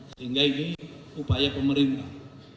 sehingga ini upaya pemerintah